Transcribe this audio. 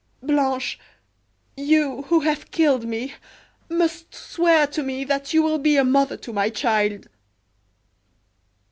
Blanche, you, who have killed me, must swear to me that you will be a mother to my child!"